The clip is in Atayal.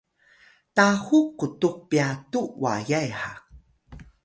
tahuk qutux pyatu wayay ha